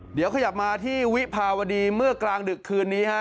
เดี๋ยวขยับมาที่วิภาวดีเมื่อกลางดึกคืนนี้ฮะ